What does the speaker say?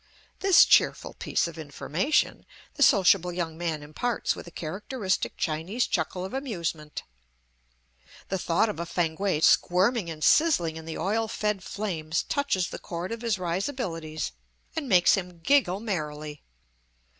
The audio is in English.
This cheerful piece of information, the sociable young man imparts with a characteristic Chinese chuckle of amusement; the thought of a Fankwae squirming and sizzling in the oil fed flames touches the chord of his risibilities, and makes him giggle merrily.